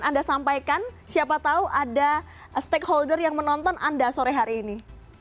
anda sampaikan siapa tahu ada stakeholder yang menonton anda sore hari ini